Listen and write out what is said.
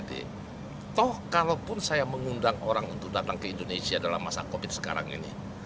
toh kalau pun saya mengundang orang untuk datang ke indonesia dalam masa covid sembilan belas sekarang ini